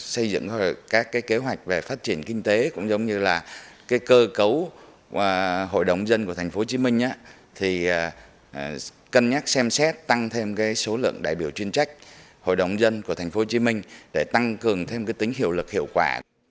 xây dựng các kế hoạch về phát triển kinh tế cũng như là cơ cấu hội đồng nhân dân của thành phố hồ chí minh thì cân nhắc xem xét tăng thêm số lượng đại biểu chuyên trách hội đồng nhân dân của thành phố hồ chí minh để tăng cường thêm tính hiệu lực hiệu quả